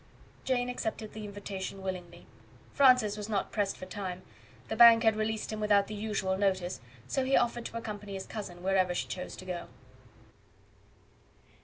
Jane accepted the invitation willingly. Francis was not pressed for time; the bank had released him without the usual notice, so he offered to accompany his cousin wherever she chose to go to.